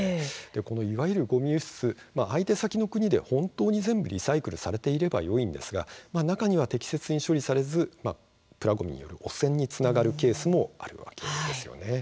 いわゆる、ごみ輸出、相手先の国で本当に全部リサイクルされていればいいんですが、中には適切に処理されずプラごみによる汚染につながるケースもあるわけです。